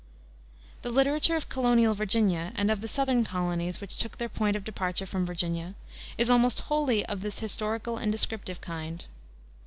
The literature of colonial Virginia, and of the southern colonies which took their point of departure from Virginia, is almost wholly of this historical and descriptive kind.